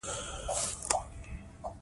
سندرې ویل د اعصابو ظرفیت لوړوي.